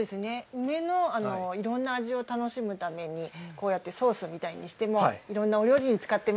梅のいろんな味を楽しむために、こうやってソースみたいにして、いろんなお料理